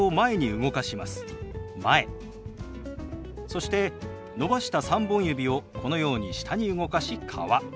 そして伸ばした３本指をこのように下に動かし「川」。